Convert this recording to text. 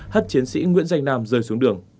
hất chiến sĩ nguyễn danh nam rơi xuống đường